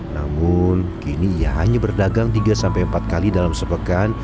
namun kini ia hanya berdagang tiga sampai empat kali dalam sepekan